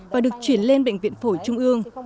và được chuyển lên bệnh viện phổi trung ương